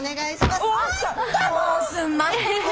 すんまへん。